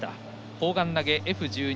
砲丸投げＦ１２